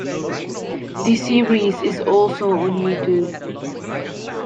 The series is also on YouTube.